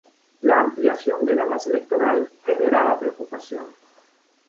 La ampliación de la base electoral generaba preocupación.